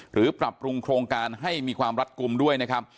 ปรับปรุงโครงการให้มีความรัดกลุ่มด้วยนะครับ